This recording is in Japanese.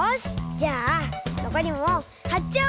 じゃあのこりもはっちゃおう！